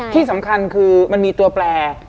ที่สำคัญคือมันมีตัวแปล